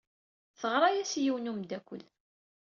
Teɣra-as i yiwen n umeddakel.